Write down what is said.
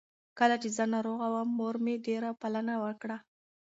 کله چې زه ناروغه وم، مور مې ډېره پالنه وکړه.